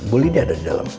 bu lydia ada di dalam